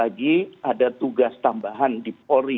lagi ada tugas tambahan di polri